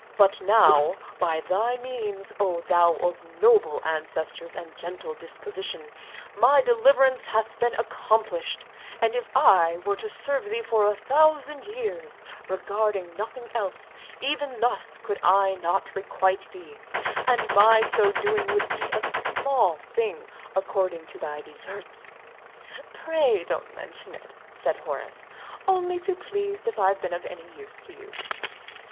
"But now, by thy means, O thou of noble ancestors and gentle disposition, my deliverance hath been accomplished; and if I were to serve thee for a thousand years, regarding nothing else, even thus could I not requite thee, and my so doing would be a small thing according to thy desserts!" "Pray don't mention it," said Horace; "only too pleased if I've been of any use to you."